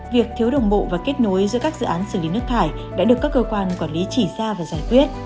việc thiếu đồng bộ và kết nối giữa các dự án xử lý nước thải đã được các cơ quan quản lý chỉ ra và giải quyết